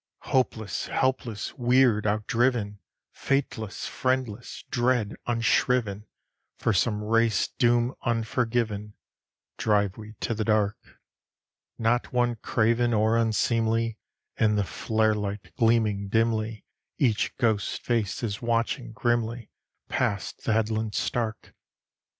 Hopeless, helpless, weird, outdriven, Fateless, friendless, dread, unshriven, For some race doom unforgiven, Drive we to the dark. Not one craven or unseemly; In the flare light gleaming dimly, Each ghost face is watching grimly: Past the headlands stark!